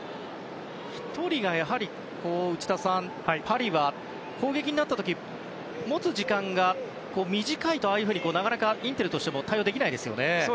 やはり内田さん、１人がパリは攻撃になった時持つ時間が短いとああいうふうになかなかインテルもそうですね。